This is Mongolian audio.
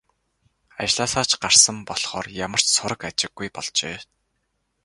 Ажлаасаа ч гарсан болохоор ямар ч сураг ажиггүй болжээ.